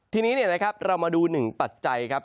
ทีนี้เรามาดูหนึ่งปัจจัยครับ